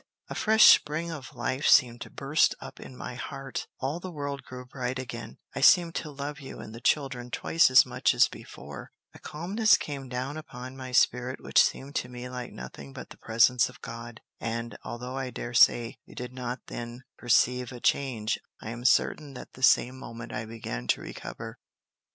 A fresh spring of life seemed to burst up in my heart; all the world grew bright again: I seemed to love you and the children twice as much as before; a calmness came down upon my spirit which seemed to me like nothing but the presence of God; and, although I dare say you did not then perceive a change, I am certain that the same moment I began to recover."